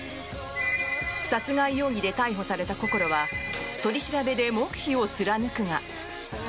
殺害容疑で逮捕されたこころは取り調べで黙秘を貫くが。